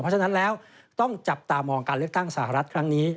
เพราะฉะนั้นแล้วต้องจับตามองการเลือกตั้งสหรัฐครั้งนี้